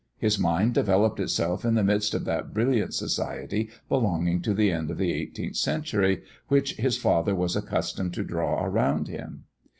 His mind developed itself in the midst of that brilliant society belonging to the end of the eighteenth century, which his father was accustomed to draw around him.